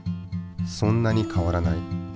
そんなに変わらない。